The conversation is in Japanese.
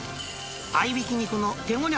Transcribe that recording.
合いびき肉の手ごね